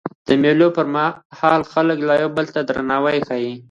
د مېلو پر مهال خلک یو بل ته درناوی ښيي.